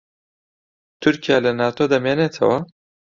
تورکیا لە ناتۆ دەمێنێتەوە؟